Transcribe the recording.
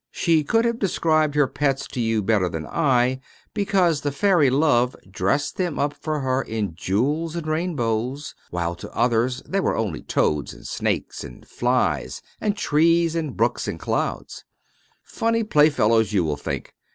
She could have described her pets to you better than I can, because the fairy Love dressed them up for her in jewels and rainbows, while to others they were only toads, and snakes, and flies, and trees, and brooks, and clouds. Funny playfellows, you will think.